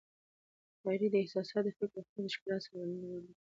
شاعري د احساساتو، فکر او خیال د ښکلا څرګندولو غوره وسیله ده.